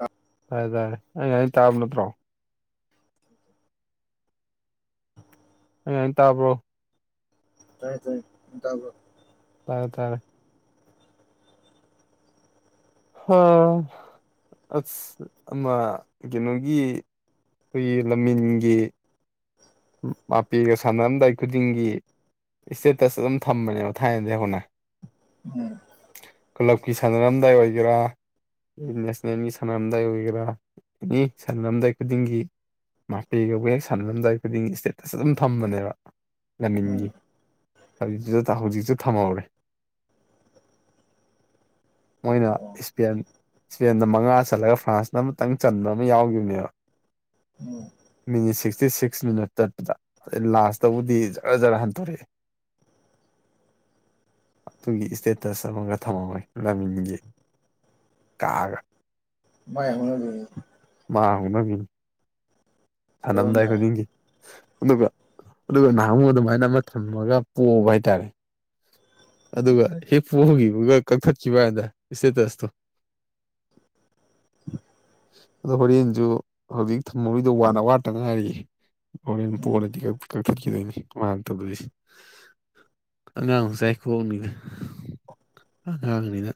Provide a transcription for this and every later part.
ꯑ ꯇꯥꯏ ꯇꯔꯦ ꯑꯩ ꯇꯥꯕꯅꯠꯇ꯭ꯔꯣ ꯑꯩ ꯍꯥꯏꯅ ꯇꯥꯕ꯭ꯔꯣ ꯇꯥꯏ ꯇꯥꯏꯌꯦ ꯇꯕ ꯇꯔꯦ ꯇꯔꯦ ꯑꯣ ꯑꯁ ꯑꯃ ꯀꯩꯅꯣꯒꯤ ꯑꯩꯈꯣꯏꯒꯤ ꯂꯝꯃꯤꯟꯒꯤ ꯃꯄꯦꯒ ꯁꯥꯟꯅꯔꯝꯗꯥꯏ ꯈꯨꯗꯤꯡꯒꯤ ꯏꯁꯇꯦꯇꯁ ꯑꯗꯨꯝ ꯊꯝꯕꯅꯦꯕ ꯊꯥꯏꯅꯗꯒꯤ ꯍꯧꯅ ꯎꯝ ꯀ꯭ꯂꯕꯀꯤ ꯁꯥꯟꯅꯔꯝꯗꯥꯏ ꯑꯣꯏꯒꯦꯔꯥ ꯅꯦꯁꯅꯦꯜꯒꯤ ꯁꯥꯟꯅꯔꯝꯗꯥꯏ ꯑꯣꯏꯒꯦꯔꯥ ꯑꯦꯅꯤ ꯁꯥꯟꯅꯔꯝꯗꯥꯏ ꯈꯨꯗꯤꯡꯒꯤ ꯃꯥꯄꯦꯒꯕꯨ ꯍꯦꯛ ꯁꯥꯟꯅꯔꯝꯗꯥꯏ ꯈꯨꯗꯤꯡꯒꯤ ꯏꯁꯇꯦꯇꯁ ꯑꯗꯨꯝ ꯊꯝꯕꯅꯦꯕ ꯔꯥꯅꯤꯡꯒꯤ ꯎꯝ ꯍꯧꯖꯤ ꯍꯧꯖꯤꯛꯁꯨ ꯊꯝꯍꯧꯔꯦ [inaudible] ꯃꯣꯏꯅ ꯑꯣ ꯏꯁꯄꯦꯟ ꯏꯁꯄꯦꯟꯗ ꯃꯉꯥ ꯆꯠꯂꯒ ꯐ꯭ꯔꯥꯟꯁꯅ ꯑꯃꯨꯇꯪ ꯆꯟꯕ ꯑꯃ ꯌꯥꯎꯈꯤꯕꯅꯦꯕ ꯎꯝ ꯃꯤꯅꯤ ꯁꯤꯛꯁꯇꯤ ꯁꯤꯛꯁ ꯁꯤꯛꯁ ꯃꯤꯅꯠ ꯆꯠꯄꯗ ꯑꯗꯩ ꯂꯥꯁꯇꯕꯨꯗꯤ ꯖꯔꯥ ꯖꯔ ꯍꯟꯇꯣꯔꯛꯑꯦ ꯑꯗꯨꯒꯤ ꯏꯁꯇꯦꯇꯁ ꯑꯃꯒ ꯊꯝꯃꯝꯃꯣꯏ ꯂꯃꯤꯟꯒꯤ ꯀꯥꯒ ꯃꯥꯏ ꯍꯧꯅꯕꯤꯅꯤ ꯃꯥ ꯍꯧꯅꯕꯤ ꯐꯜꯂꯝꯗꯥꯏ ꯇꯧꯔꯝꯗꯥꯏ ꯈꯨꯗꯤꯡꯒꯤ ꯑꯗꯨꯒ ꯑꯗꯨꯒ ꯅꯍꯥꯟꯃꯨꯛ ꯑꯗꯨꯃꯥꯏꯅ ꯑꯃ ꯊꯝꯃꯒ ꯄꯣꯕ ꯍꯥꯏꯇꯥꯔꯦ ꯑꯗꯨꯒ ꯍꯤꯞꯄꯈꯤꯕꯒ ꯀꯛꯊꯠꯈꯤꯕ ꯍꯥꯏꯅ ꯏꯁꯇꯦꯇꯁꯇꯣ [inaudible] ꯑꯗꯣ ꯍꯣꯔꯦꯟꯁꯨ ꯍꯧꯖꯤꯛ ꯊꯝꯃꯣꯏꯗꯣ ꯋꯥꯅ ꯑ ꯋꯥꯠꯇ ꯉꯥꯏꯔꯤꯌꯦ ꯍꯣꯔ ꯎꯝ ꯄꯣꯔꯗꯤ ꯀꯛꯊꯈꯤꯗꯣꯏꯅꯤ ꯃꯇꯧꯗꯣꯏꯕꯁꯤ ꯑꯉꯥꯡ ꯆꯥꯏꯈꯣꯡꯅꯤꯅ ꯑꯉꯥꯡꯅꯤꯅ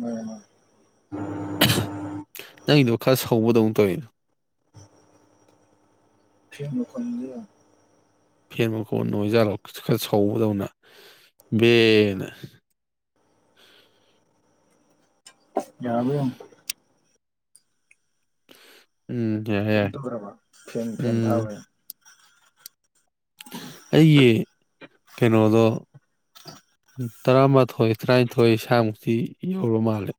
ꯃꯔꯩꯃ ꯅꯪꯒꯤꯗꯣ ꯈꯔ ꯁꯧꯕꯗꯧꯅ ꯇꯧꯋꯤꯅꯣ ꯐꯦꯟ ꯃꯈꯣꯟꯅꯤꯕ ꯐꯦꯟ ꯃꯈꯣꯟ ꯑꯣꯏꯖꯥꯠꯂꯣ ꯈ ꯁꯥꯎꯕꯗꯧꯅ ꯌꯥꯕ ꯎꯝ ꯀꯩꯝ ꯍꯦ ꯇꯧꯗ꯭ꯔꯕ ꯐꯦꯟ ꯐꯦꯟ ꯎꯝ ꯊꯥꯕꯩ ꯑꯩꯒꯤ ꯀꯩꯅꯣꯗꯣ ꯎ ꯇꯔꯥꯃꯥꯊꯣꯏ ꯇꯔꯥꯅꯤꯊꯣꯏ ꯏꯁꯥꯃꯨꯛꯇꯤ ꯌꯧꯔꯕ ꯃꯥꯜꯂꯦ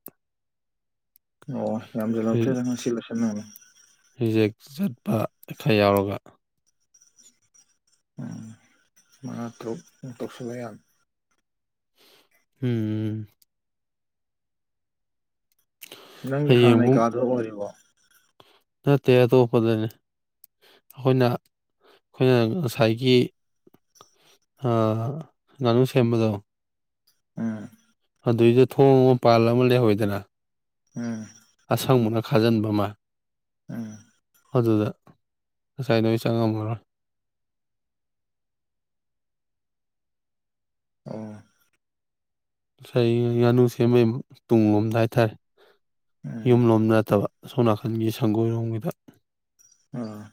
ꯑꯣ ꯌꯥꯝꯖ ꯂꯥꯎꯊꯔꯦ ꯔꯤ ꯉ ꯁꯤꯜꯂꯁꯔꯅꯪꯅ ꯔꯤꯖꯦꯛ ꯆꯠꯄ ꯈꯔ ꯌꯥꯎꯔꯒ ꯎꯝ ꯃꯥꯠꯇ꯭ꯔꯣ ꯃꯇꯣꯛꯁꯂ ꯌꯥꯝ ꯎꯝ ꯅꯪꯒꯤ ꯍꯥꯟꯅꯩ ꯍꯌꯦꯡꯕꯨꯛ ꯀꯥꯗꯣ ꯑꯣꯏꯔꯤꯕꯣ ꯅꯇꯦ ꯑꯇꯣꯄꯗꯅꯦ ꯑꯩꯈꯣꯏꯅ ꯑꯩꯈꯣꯏꯅ ꯉꯁꯥꯏꯒꯤ ꯉꯥꯅꯨ ꯁꯦꯝꯕꯗꯣ ꯎꯝ ꯑꯗꯨꯏꯗ ꯊꯣꯡ ꯑꯃ ꯄꯥꯜ ꯑꯃ ꯂꯩꯍꯧꯋꯤꯗꯅ ꯎꯝ ꯑꯁꯪꯕꯅ ꯈꯥꯖꯟꯕ ꯃꯥ ꯎꯝ ꯑꯗꯨꯗ ꯉꯁꯥꯏ ꯅꯣꯏ ꯆꯪꯉꯝꯃꯔꯣꯏ ꯑꯣ ꯉꯁꯥꯏ ꯉꯥꯅꯨ ꯁꯦꯝꯕꯩ ꯇꯨꯡꯂꯣꯝꯗ ꯍꯥꯏꯇꯥꯔꯦ ꯎꯝ ꯌꯨꯝꯂꯣꯝꯗ ꯅꯠꯇꯕ ꯁꯣꯅꯥꯀꯟꯒꯤ ꯁꯪꯒꯣꯏꯔꯣꯝꯒꯤꯗ ꯑꯣ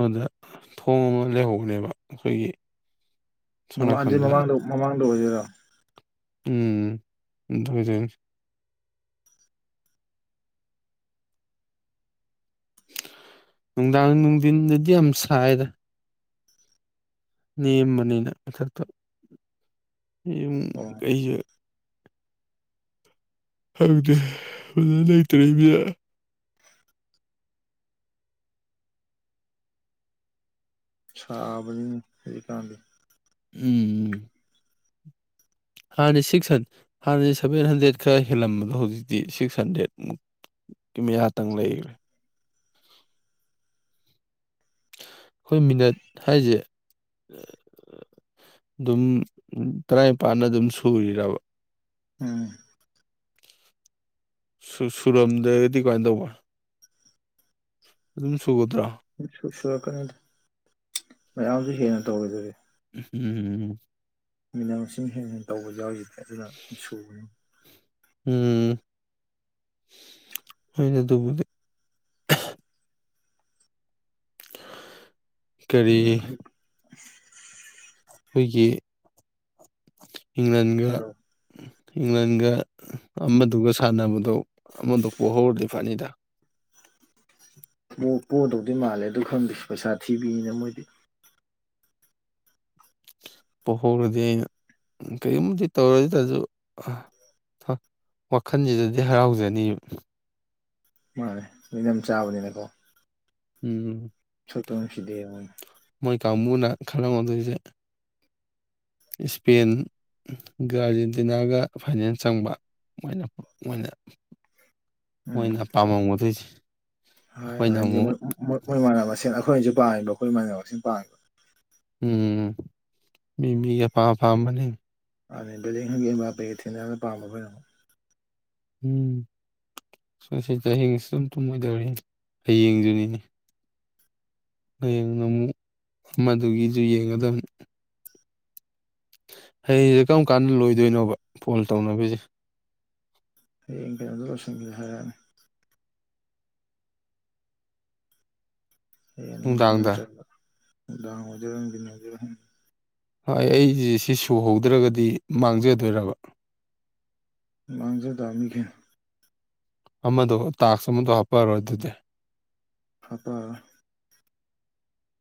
ꯑꯗꯨꯗ ꯊꯣꯡꯉ ꯂꯩꯍꯧꯕꯅꯦꯕ ꯑꯩꯈꯣꯏꯒꯤ ꯁꯣꯝ ꯃꯃꯥꯡꯁꯤ ꯅꯥꯀꯟꯗ ꯃꯃꯥꯡꯗ ꯃꯃꯥꯡꯗ ꯑꯣꯏꯒꯣꯏꯔꯥ ꯎꯝ ꯑꯗꯨꯖ ꯅꯨꯡꯗꯥꯡ ꯅꯨꯡꯊꯤꯟꯗꯗꯤ ꯌꯥꯝ ꯁꯥꯏꯔ ꯅꯦꯝꯕꯅꯤꯅ ꯃꯊꯛꯇ ꯌꯨꯝ ꯑꯣ ꯀꯩꯁꯨꯦ ꯍꯧꯪꯗꯦ ꯐꯖꯅ ꯂꯩꯇ꯭ꯔꯦ ꯏꯕ ꯆꯥꯕꯅꯤ ꯁ꯭ꯔꯤ ꯀꯀꯥꯟꯗꯤ ꯎꯝ ꯍꯥꯟꯅ ꯁꯤꯛꯁ ꯍꯥꯟꯅꯗꯤ ꯁꯚꯦꯟ ꯍꯟꯗ꯭ꯔꯦꯠ ꯈꯔ ꯍꯦꯜꯂꯝꯕꯗꯣ ꯍꯧꯖꯤꯛꯇꯤ ꯁꯤꯛꯁ ꯍꯟꯗ꯭ꯔꯦꯠꯨꯛ ꯀꯃꯤꯍꯥꯛꯇꯪ ꯂꯩꯈ꯭ꯔꯦ ꯑꯩꯈꯣꯏ ꯃꯤꯅꯠ ꯍꯥꯏꯁꯦ ꯑꯗꯨꯝ ꯇꯔꯥꯅꯤꯄꯥꯥꯟꯅ ꯑꯗꯨꯝ ꯁꯨꯔꯕ ꯎꯝ ꯁꯨꯔꯝꯗ꯭ꯔꯒꯗꯤ ꯀꯃꯥꯏꯅ ꯇꯧꯕ ꯑꯗꯨꯝ ꯁꯨꯒꯗ꯭ꯔꯣ ꯁꯨ ꯁꯨꯔꯛꯀꯅꯤꯗ ꯃꯌꯥꯝꯁꯨ ꯍꯦꯟꯅ ꯇꯧꯔꯗꯔꯤ ꯎꯝ ꯃꯤꯅꯥ ꯃꯁꯤꯡ ꯍꯦ ꯍꯟꯅ ꯇꯧꯕ ꯌꯥꯎꯈꯤꯗꯦ ꯑꯗꯨꯅ ꯁꯨꯕꯅꯤ ꯎꯝ ꯍꯅ ꯑꯗꯨꯕꯨ ꯀꯔꯤ ꯍ ꯑꯩꯈꯣꯏꯒꯤ ꯏꯪꯂꯦꯟꯒ ꯍꯥꯏꯔꯣ ꯏꯪꯂꯦꯟꯒ ꯑꯃꯗꯨꯒ ꯁꯥꯟꯅꯕꯗꯣ ꯑꯃꯗ ꯄꯣꯛꯍꯧꯔꯗꯤ ꯐꯅꯤꯗ ꯃꯨꯛ ꯄꯣꯟꯗꯧꯗꯤ ꯃꯥꯜꯂꯦ ꯑꯗꯨ ꯈꯪꯗ꯭ꯦꯁꯤ ꯄꯩꯁꯥ ꯊꯤꯕꯤꯅ ꯃꯣꯏꯗꯤ ꯄꯣꯛꯍꯧꯔꯗꯤ ꯑꯩꯅ ꯀꯔꯤꯒꯨꯝꯕꯗꯤ ꯇꯧꯔꯗꯁꯨ ꯋꯥꯈꯜꯁꯤꯗꯗꯤ ꯍꯔꯥꯎꯖꯅꯤ ꯃꯥꯅꯦ ꯃꯤꯅꯝ ꯆꯥꯕꯅꯤꯅꯀꯣ ꯎꯝ ꯁꯛꯇꯥ ꯃꯅꯨꯡꯁꯤꯗꯦ ꯃꯣꯏ ꯀꯥꯡꯕꯨꯅ ꯈꯪꯔꯝꯒꯗꯣꯏꯁꯦ ꯏꯁꯄꯦꯟ ꯑꯥꯔꯖꯦꯟꯇꯤꯅꯥꯒ ꯐꯥꯏꯅꯦꯜ ꯆꯪꯕ ꯃꯣꯏꯅ ꯃꯣꯏꯅ ꯎ ꯃꯣꯏꯅ ꯑꯄꯥꯝꯝꯕꯝꯒꯗꯣꯏꯁꯦ ꯍꯣꯏꯣꯏꯗꯤ ꯃꯣꯏꯣꯏ ꯃꯣꯏ ꯃꯥꯟꯅꯕ ꯃꯁꯦꯟ ꯑꯩꯈꯣꯏꯅꯖꯤꯁꯨ ꯄꯥꯝꯃꯤꯕ ꯑꯩꯈꯣꯏ ꯏꯃꯥꯟꯅꯕ ꯃꯁꯤꯡꯦꯟ ꯄꯥꯡꯝꯕ ꯎꯝ ꯃꯤ ꯃꯤꯒꯤ ꯑꯄꯥ ꯑꯄꯥꯝꯕꯅꯤ ꯑꯅꯤ ꯗꯂꯤꯡ ꯍꯪꯕꯤꯕꯥ ꯄꯄꯩ ꯊꯅ ꯌꯥꯝꯅ ꯄꯥꯝꯕ ꯑꯩꯈꯣꯏꯅꯣ ꯎꯝ ꯁꯣꯏꯁꯦ ꯆꯌꯦꯦꯡꯁꯤ ꯑꯗꯨꯝ ꯊꯨꯝꯃꯣꯏꯗꯧꯔꯤ ꯍꯌꯦꯡꯗꯨꯅꯤ ꯍꯌꯦꯡꯅ ꯑꯃꯨꯛ ꯃꯗꯨꯒꯤꯁꯨ ꯌꯦꯡꯒꯗꯕ ꯍꯌꯦꯡꯁꯦ ꯀꯔꯝ ꯀꯥꯟꯗ ꯂꯣꯏꯗꯣꯏꯅꯣꯕ ꯐꯣꯟ ꯇꯧꯅꯕꯤꯁꯦ ꯍꯌꯦꯡ ꯀꯩꯅꯣꯝꯇ ꯂꯣꯏꯁꯤꯟꯒꯦ ꯍꯥꯏꯔꯛꯑꯅꯤ ꯍꯌꯦ ꯅꯨꯡꯁꯤ ꯅꯨꯡꯗꯥꯡꯗ ꯅꯠꯇ꯭ꯔꯒ ꯅꯨꯡꯗꯥꯡ ꯑꯣꯏꯗꯥ ꯅꯨꯡꯖꯤ ꯑꯣꯏꯗꯔ ꯍꯣꯏ ꯑꯩꯁꯦ ꯁꯤ ꯁꯨꯍꯧꯗ꯭ꯔꯒꯗꯤ ꯃꯥꯡꯖꯗꯣꯏꯔꯕ ꯃꯥꯡꯁꯨꯦ ꯇꯥꯃꯤꯈꯦ ꯑꯃꯗꯣ ꯇꯥꯛꯁ ꯑꯃꯗꯣ ꯍꯥꯞꯄꯛꯑꯔꯣꯏ ꯑꯗꯨꯗꯤ ꯍꯥꯇꯥ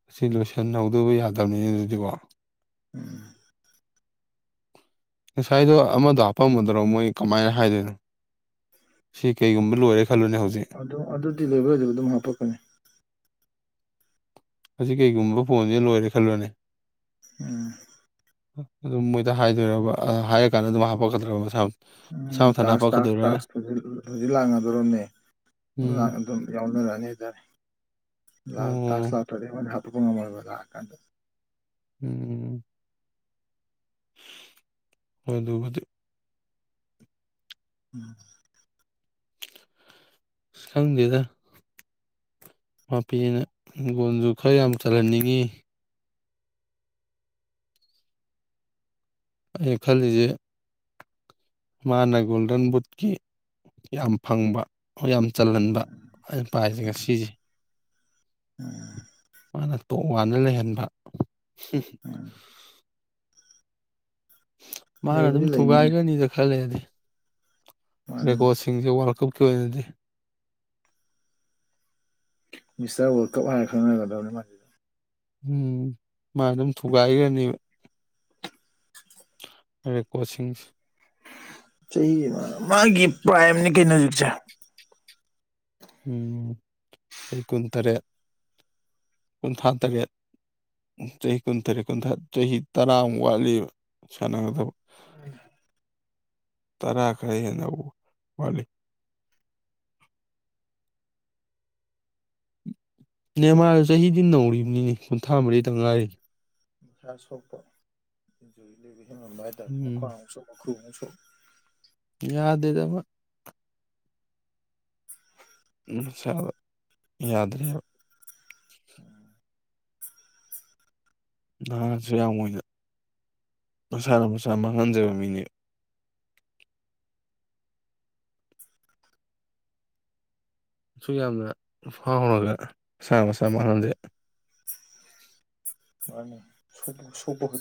ꯑꯁꯤ ꯂꯣꯏꯁꯤꯟꯍꯧꯗꯕ ꯌꯥꯗꯕꯅꯤꯅ ꯑꯗꯨꯗꯤꯀꯣ ꯎꯝ ꯉꯁꯥꯏꯗꯣ ꯑꯃꯗꯣ ꯍꯥꯄꯝꯃꯗꯔꯣ ꯃꯣꯏ ꯀꯃꯥꯏꯅ ꯍꯥꯏꯗꯣꯏꯅꯣ ꯁꯤ ꯀꯩꯒꯨꯝꯕ ꯂꯣꯏꯔꯦ ꯈꯜꯂꯣꯅꯦ ꯍꯧꯖꯤꯛ ꯑꯗꯨ ꯑꯗꯨꯗꯤ ꯂꯦꯕꯔꯗꯨ ꯑꯗꯨꯝ ꯍꯥꯞꯄꯛꯀꯅꯤ ꯑꯁꯤ ꯀꯩꯒꯨꯝꯕ ꯐꯣꯟꯁꯤꯦꯅ ꯂꯣꯏꯔꯦ ꯈꯜꯂꯣꯅꯦ ꯎꯝ ꯑꯗꯨꯝ ꯃꯣꯏꯗ ꯍꯥꯏꯗꯣꯏꯔꯕ ꯍꯥꯏꯔꯀꯥꯟꯗ ꯑꯗꯨꯝ ꯍꯥꯄꯛꯀꯗ꯭ꯔꯕ ꯃꯁꯥ ꯃꯁꯥ ꯎꯝ ꯃꯊꯟꯇ ꯇꯁ ꯍꯥꯄꯛꯀꯗꯣꯏꯔꯥ ꯇꯥꯁ ꯇꯥꯁꯖꯤ ꯂꯥ ꯑꯗꯣꯔꯅꯦ꯫ ꯎꯝ ꯑꯗꯨꯝ ꯌꯥꯎꯅꯔꯅꯤ ꯍꯥꯏꯇꯥꯔꯦ ꯇꯥꯁ ꯑꯣ ꯂ ꯇꯗ ꯍ ꯍꯥꯞꯀꯅꯕꯒ ꯍꯥꯀ ꯎꯝ ꯍ ꯑꯗꯨꯒꯗꯤ ꯎꯝ ꯈꯪꯗꯦꯗ ꯃꯄꯤꯅ ꯍꯤꯡꯒꯣꯟꯁꯨ ꯈꯔ ꯌꯥꯝ ꯆꯜꯍꯟꯅꯤꯡꯉꯤ꯫ ꯑꯩ ꯈꯜꯂꯤꯁꯦ꯫ ꯃꯥꯅ ꯒꯣꯜꯗꯟ ꯕꯨꯠꯀꯤ ꯌꯥꯝ ꯐꯪꯕ ꯌꯥꯝ ꯆꯜꯍꯟꯕ ꯑꯩꯅ ꯄꯥꯏꯁꯦꯒ ꯁꯤꯁꯦ꯫ ꯑꯣ ꯃꯥꯅ ꯇꯣꯉꯥꯟꯅ ꯂꯩꯍꯟꯕ ꯁꯤ ꯎꯝ ꯃꯥꯅ ꯂꯩꯕꯨꯗꯤ ꯑꯗꯨꯝ ꯂꯩꯅꯤꯅꯦ ꯊꯨꯒꯥꯏꯒꯅꯤꯗ ꯈꯜꯂꯦꯗꯤ ꯃꯥꯅꯤꯅꯦ ꯔꯦꯀꯣꯁ ꯁꯤꯡꯁꯦ ꯋꯥꯔꯜꯀꯞꯀꯤ ꯑꯣꯏꯅꯗꯤ ꯃꯤꯁꯇꯔ ꯔꯜ ꯀꯞ ꯍꯥꯏꯔ ꯈꯪꯅꯒꯗꯧꯅꯤ ꯃꯥꯗꯤ꯫ ꯎꯝ ꯃꯥ ꯑꯗꯨꯝ ꯊꯨꯒꯥꯏꯈ꯭ꯔꯅꯦꯕ ꯔ ꯀꯣꯆꯤꯡꯁꯁꯦ꯫ ꯆꯍꯤ ꯑꯃ ꯃꯥꯒꯤ ꯄ꯭ꯔꯥꯏꯝꯅꯤ ꯀꯩꯅꯣ ꯍꯧꯖꯤꯛꯁꯦ꯫ ꯎ ꯆꯍꯤ ꯀꯨꯟꯇꯔꯦꯠ ꯀꯨꯟꯊ꯭ꯔꯥ ꯇꯔꯦꯠ ꯆꯍꯤ ꯀꯨꯟ ꯇꯔꯦꯠ ꯀꯨꯟꯊ꯭ꯔꯥ ꯆꯍꯤ ꯇꯔꯥꯃꯨꯛ ꯋꯥꯠꯂꯤꯕ ꯁꯥꯟꯅꯒꯗꯕ [inaudible] ꯇꯔꯥ ꯈꯔ ꯍꯦꯟꯅ ꯋꯥꯠꯂꯤ ꯫ ꯅꯦ ꯃꯥꯗ ꯆꯍꯤꯗꯤ ꯅꯧꯔꯤꯕꯅꯤ ꯀꯨꯟꯊ꯭ꯔꯥ ꯃꯔꯤꯗ ꯉꯥꯏꯔꯤ꯫ ꯃꯁꯥ ꯁꯣꯛꯄ ꯏꯟꯖꯨꯔꯤ ꯂꯩꯕ ꯍꯦꯟꯃꯟꯕ ꯍꯥꯏꯇꯥꯔꯦ ꯃꯈꯋꯥ ꯎꯝ ꯑꯃꯨꯛꯁꯨ ꯃꯈ꯭ꯔꯨ ꯑꯃꯨꯛ ꯁꯣꯛ ꯌꯥꯗꯦꯗ ꯅꯨꯡꯁꯥꯗ ꯌꯥꯗ꯭ꯔꯦꯕ [inaudible] ꯅꯍꯥꯁꯨ ꯌꯥꯝꯅ ꯃꯁꯥꯅ ꯃꯁꯥ ꯃꯥꯡꯍꯟꯖꯕ ꯃꯤꯅꯦ꯫ ꯁꯨꯛ ꯌꯥꯝꯅ ꯐꯥꯎꯔꯒ ꯁꯥ ꯃꯁꯥ ꯃꯥꯡꯍꯟꯗꯦ ꯃꯥꯅꯦ ꯁ ꯁꯣꯄ ꯈ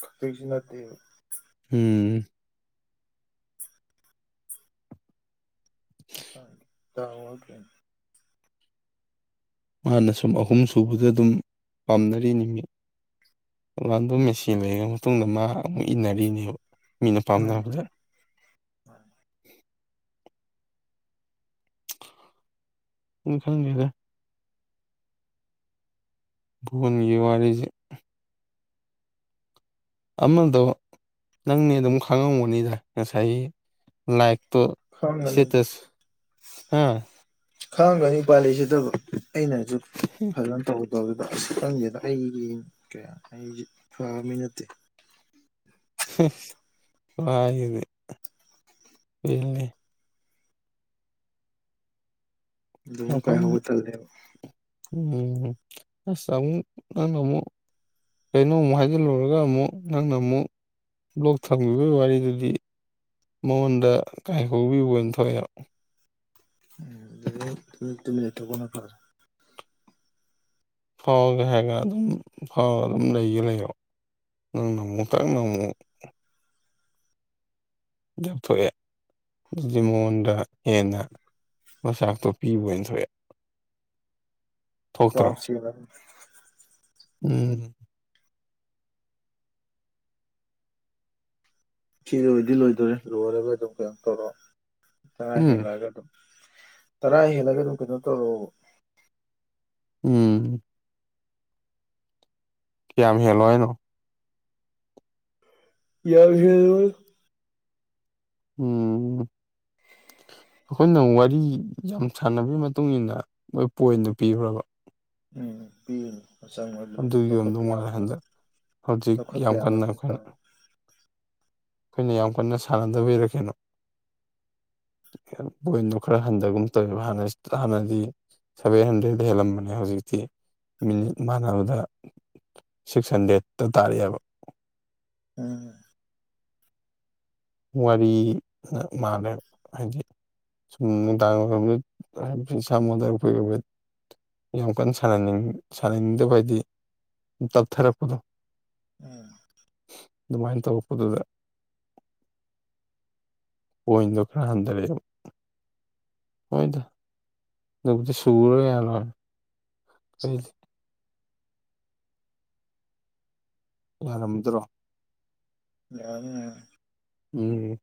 ꯈꯠꯇꯩꯁꯤ ꯅꯠꯇꯦꯕ ꯎꯝ [inaudible] [unintelligible] ꯃꯥꯅ ꯁꯨꯝ ꯑꯍꯨꯝ ꯁꯨꯕꯗ ꯑꯗꯨꯝ ꯄꯥꯝꯅꯔꯤ ꯅꯨꯃꯤꯠ ꯥꯟꯗ ꯃꯦꯆꯤꯟ ꯂꯩꯔꯕ ꯃꯇꯨꯡꯗ ꯃꯥ ꯑꯃꯨꯛ ꯏꯟꯅꯔꯤꯅꯦꯕ ꯃꯤꯅ ꯃꯥꯅꯤ ꯄꯥꯝꯅꯔꯕꯗ [inaudible] ꯏ ꯈꯜꯅꯤꯗ ꯐꯣꯟꯒꯤꯋꯔꯤꯁꯦ꯫ ꯑꯃꯗꯣ ꯅꯪꯅꯦ ꯑꯗꯨꯝ ꯈꯪꯉꯕꯅꯤꯗ ꯉꯁꯥꯏ ꯂꯥꯏꯛ ꯈꯥꯡꯒꯅꯤꯅ ꯍꯥ ꯈꯥꯡꯒꯅꯤ ꯄꯥꯜꯂꯤꯁꯤꯗꯕ ꯑꯩꯅꯁꯨ ꯐꯖꯅ ꯇꯧ ꯗ ꯈꯪꯁꯤꯦꯗ ꯑꯩꯒꯤ ꯀꯌꯥ ꯑꯩꯁꯦ ꯐꯕꯃꯤ ꯅꯠꯇꯦ ꯀꯩꯅꯣꯅꯦ ꯑꯗꯨꯃ ꯀꯩ ꯃꯐꯝ ꯍꯧꯕ ꯆꯜꯗꯦꯕ ꯎꯝ ꯑꯁ ꯑꯃꯝ ꯅꯪꯅꯃꯨꯛ ꯀꯩꯅꯣꯃꯨꯛ ꯍꯥꯏꯖꯤꯜꯂꯨꯔꯒ ꯑꯃꯨꯛ ꯅꯪꯅ ꯑꯃꯨꯛ ꯕ꯭ꯂꯣꯛ ꯊꯝꯈꯤꯕꯒꯤ ꯋꯥꯔꯤꯗꯨꯗꯤ ꯃꯉꯣꯟꯗ ꯀꯥꯏ ꯍꯧꯕꯤꯕ ꯑꯣꯏꯅ ꯊꯣꯛꯑꯦ ꯎꯣ ꯇꯃꯤ ꯂꯩꯇ ꯀꯣ ꯅꯀꯣꯔ ꯐꯥꯎꯒꯦ ꯍꯥꯏꯔꯒ ꯑꯗꯨꯝ ꯐꯥꯎꯔꯒ ꯑꯗꯨꯝ ꯂꯩꯒꯦ ꯂꯩꯔꯣ ꯅꯪꯅ ꯑꯃꯨꯛꯛꯇꯪꯅ ꯑꯃꯨꯛ ꯗꯧꯊꯣꯛꯑꯦ ꯑꯗꯨꯗꯤ ꯃꯉꯣꯟꯗ ꯍꯦꯟꯅ ꯃꯆꯥꯛꯇꯣ ꯄꯤꯕ ꯑꯣꯏꯅ ꯊꯣꯛꯑꯦ ꯊꯣꯛꯇ꯭ꯔꯣ ꯇꯞ ꯌꯥꯏꯂꯅꯤ ꯎꯝ ꯏꯆꯦ ꯂꯣꯏꯗꯤ ꯂꯣꯏꯗꯣꯏꯣꯔꯦ ꯂꯣꯏꯔꯒ ꯑꯗꯨꯝ ꯀꯩꯅꯣ ꯇꯧꯔꯣ ꯆꯔꯥ ꯎꯝ ꯍꯦꯜꯂꯛꯑꯒ ꯑꯗꯨꯝ ꯇꯔꯥ ꯍꯦꯜꯂꯒꯦ ꯑꯗꯨꯝ ꯀꯩꯅꯣ ꯇꯧ ꯎꯝ ꯀꯌꯥ ꯑꯃ ꯍꯦꯜꯂꯣꯏꯅꯣ [unintelligible] ꯎꯝ ꯑꯩꯈꯣꯏꯅ ꯋꯥꯔꯤ ꯌꯥꯝ ꯁꯥꯟꯅꯕꯒꯤ ꯃꯇꯨꯡ ꯏꯟꯅ ꯃꯣꯏ ꯄꯣꯏꯟꯗꯨꯣ ꯄꯤꯈ꯭ꯔꯕ ꯎꯝ ꯄꯤꯕꯅꯤ ꯃꯆꯪ ꯑꯣꯏꯕꯗꯨ ꯑꯗꯨꯒꯤ ꯂꯧꯈꯠꯄ ꯑꯣꯏꯔꯝꯗꯧ ꯃꯥꯜꯂꯦ ꯌꯥꯕꯁꯨ ꯍꯟꯗꯛ ꯍꯧꯖꯤꯛ ꯂꯧꯈꯠꯄ ꯌꯥꯝ ꯀꯟꯅ ꯌꯥꯕꯁꯨ ꯑꯩꯈꯣꯏꯅ ꯇꯪ ꯑꯩꯈꯣꯏꯅ ꯌꯥꯝ ꯀꯟꯅ ꯁꯥꯟꯅꯗꯕꯕꯤꯔꯛ ꯀꯅꯣ ꯕꯣꯏꯟꯗꯣ ꯈꯔ ꯍꯟꯊꯒꯨꯝ ꯇꯧꯋꯦꯕꯅ ꯍꯥꯟꯅꯗꯤ ꯁꯚꯦꯟ ꯍꯟꯗ꯭ꯔꯦꯗ ꯍꯦꯜꯂꯝꯕꯅꯦ ꯍꯧꯖꯤꯛꯇꯤ ꯃꯤꯅꯤꯠ ꯃꯥꯟꯅꯕꯗ ꯁꯤꯛꯁ ꯍꯟꯗ꯭ꯔꯦꯗꯠꯇ ꯇꯥꯔꯛꯑꯦꯕ ꯎꯝ ꯋꯥꯔꯤ ꯃꯥꯂꯦ ꯍꯥꯏꯗꯤ ꯁꯨꯝ ꯄꯁꯥ ꯃꯗꯔ ꯄꯔꯦ ꯌꯥꯝ ꯀꯟꯅ ꯁꯅꯅꯤꯡ ꯁꯥꯟꯅꯅꯤꯡꯗꯕ ꯍꯥꯏꯗꯤ ꯇꯞꯊꯔꯛꯄꯗꯣ ꯎꯝ ꯑꯗꯨꯃꯥꯏꯟ ꯇꯧꯔꯛꯄꯗꯨꯗ ꯄꯣꯏꯟꯗꯣ ꯈꯔ ꯍꯟꯊꯔꯛꯑꯦꯕ ꯑꯣꯏꯗ ꯑꯗꯨꯕꯨꯗꯤ ꯁꯨꯔ ꯌꯥꯜꯣꯏ [unintelligible] ꯌꯥꯔꯝꯗ꯭ꯔꯣ ꯌꯥꯅꯤ ꯎꯝ